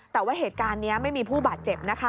แต่ว่าเหตุการณ์นี้ไม่มีผู้บาดเจ็บนะคะ